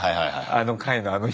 あの回のあの人。